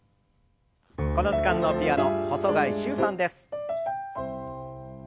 この時間のピアノ細貝柊さんです。